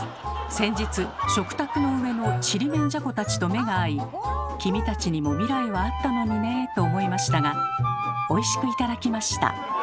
先日食卓の上のちりめんじゃこたちと目が合い「君たちにも未来はあったのにね」と思いましたがおいしく頂きました。